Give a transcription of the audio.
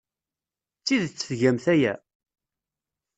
D tidet tgamt aya?